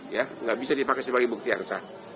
ya nggak bisa dipakai sebagai bukti angsa